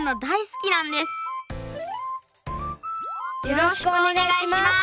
よろしくお願いします！